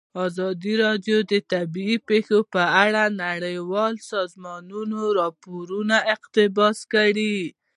ازادي راډیو د طبیعي پېښې په اړه د نړیوالو سازمانونو راپورونه اقتباس کړي.